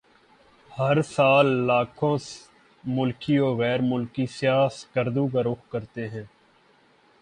ہر سال لاکھوں ملکی وغیر ملکی سیاح سکردو کا رخ کرتے ہیں